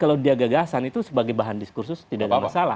kalau dia gagasan itu sebagai bahan diskursus tidak ada masalah